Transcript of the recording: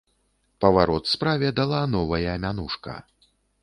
Паварот справе дала новая мянушка.